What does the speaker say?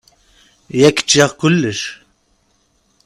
Yak ččiɣ kulec.